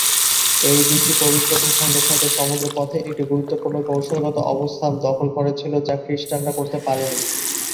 এই দ্বীপটি পবিত্র ভূখণ্ডের সাথে সমুদ্র পথে একটি গুরুত্বপূর্ণ কৌশলগত অবস্থান দখল করেছিল যা খ্রিস্টানরা করতে পারেনি।